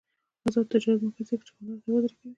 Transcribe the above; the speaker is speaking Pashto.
آزاد تجارت مهم دی ځکه چې هنر تبادله کوي.